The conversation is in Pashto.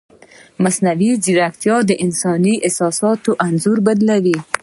مصنوعي ځیرکتیا د انساني احساساتو انځور بدلوي.